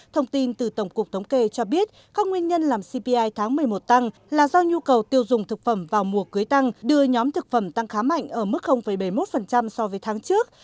thông tin từ tổng cục thống kê cho biết các nguyên nhân làm cpi tháng một mươi một tăng là do nhu cầu tiêu dùng thực phẩm vào mùa cưới tăng đưa nhóm thực phẩm tăng khá mạnh ở mức bảy mươi một so với tháng trước